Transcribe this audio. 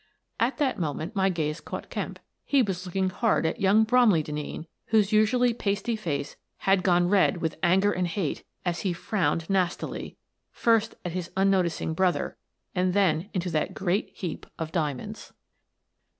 At that moment my gaze caught Kemp. He was looking hard at young Bromley Denneen, whose usually pasty face had gone red with anger and hate as he frowned nastily, first at his unnoticing brother, and then into that great heap of diamonds.